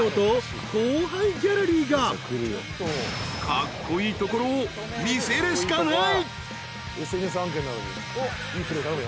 ［カッコイイところを見せるしかない］